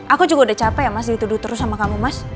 aku juga udah capek ya mas dituduh terus sama kamu mas